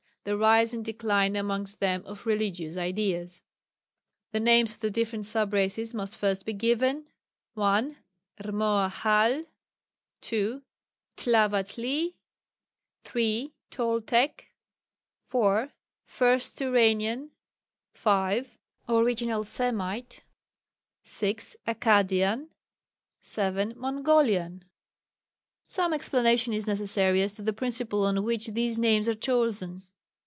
The rise and decline amongst them of religious ideas. The names of the different sub races must first be given 1. Rmoahal. 2. Tlavatli. 3. Toltec. 4. First Turanian. 5. Original Semite. 6. Akkadian. 7. Mongolian. Some explanation is necessary as to the principle on which these names are chosen.